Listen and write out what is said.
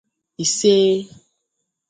Isee.